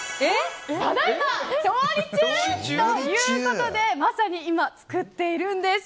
ただいま調理中！ということでまさに今、作っているんです。